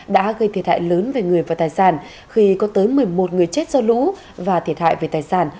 đã gây thiệt hại lớn về người và tài sản khi có tới một mươi một người chết do lũ và thiệt hại về tài sản